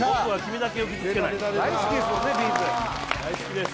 ’ｚ大好きです